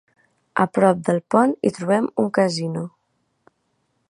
A prop del pont hi trobem un casino.